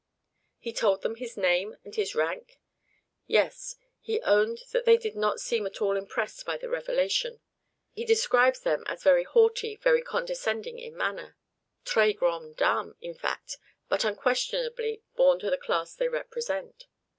"He told them his name and his rank?" "Yes; and he owned that they did not seem at all impressed by the revelation. He describes them as very naughty, very condescending in manner, très grandes dames, in fact, but unquestionably born to the class they represent.